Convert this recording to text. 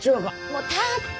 もう立って！